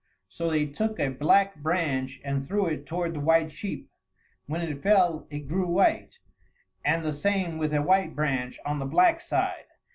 So they took a black branch and threw it toward the white sheep. When it fell, it grew white; and the same with a white branch on the black side.